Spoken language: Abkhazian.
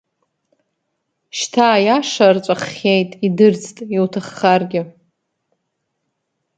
Шьҭа аиаша рҵәаххьеит, идырӡт, иуҭаххаргьы…